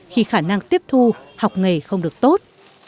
khi khả năng tiếp thu học nghề không được tốt